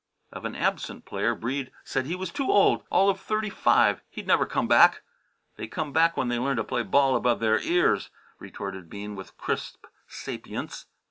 Of an absent player, Breede said he was too old all of thirty five. He'd never come back. "They come back when they learn to play ball above the ears," retorted Bean with crisp sapience.